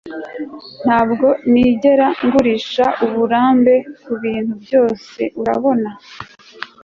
ntabwo nigera ngurisha uburambe kubintu byose, urabona